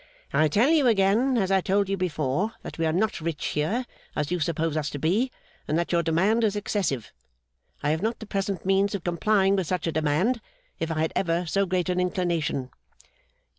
'I tell you again, as I told you before, that we are not rich here, as you suppose us to be, and that your demand is excessive. I have not the present means of complying with such a demand, if I had ever so great an inclination.